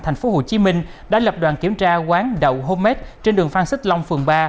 thành phố hồ chí minh đã lập đoàn kiểm tra quán đậu homemade trên đường phan xích long phường ba